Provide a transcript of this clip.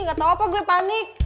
gak tau apa gue panik